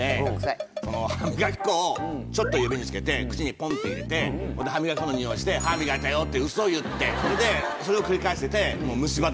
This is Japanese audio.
歯磨き粉をちょっと指に付けて口にポンって入れて歯磨き粉のニオイして「歯磨いたよ！」ってウソ言ってそれでそれを繰り返してて。